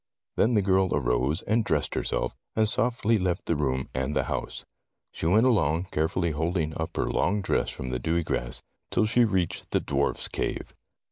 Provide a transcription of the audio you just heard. Then the girl arose and dressed herself, and softly left the room and the house. She went along, carefully holding up her long dress from the dewy grass, till she reached the Dwarf's Cave.